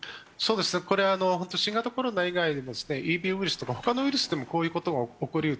新型コロナ以外でもＥＢウイルスとか他のウイルスでもこういうことが起こりうる。